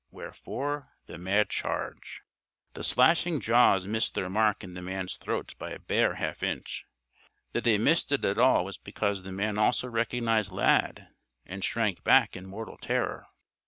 Wherefore the mad charge. The slashing jaws missed their mark in the man's throat by a bare half inch. That they missed it at all was because the man also recognized Lad, and shrank back in mortal terror.